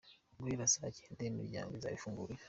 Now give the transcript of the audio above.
Guhera saa cyenda imiryango izaba ifunguye.